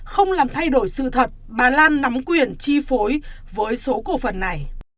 không làm thay đổi sự thật bà lan nắm quyền chi phối với số cổ phần này